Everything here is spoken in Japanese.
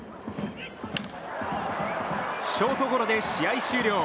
ショートゴロで試合終了。